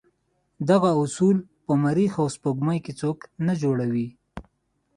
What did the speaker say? دغه اصول په مریخ او سپوږمۍ کې څوک نه جوړوي.